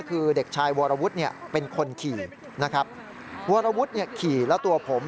คือเด็กชายวรวุฒิเนี่ยเป็นคนขี่นะครับวรวุฒิเนี่ยขี่แล้วตัวผม